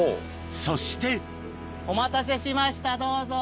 そしてお待たせしましたどうぞ！